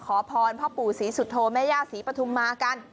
ขอพรพ่อปู่ศรีสุโธแม่ย่าศรีปฐุมมากัน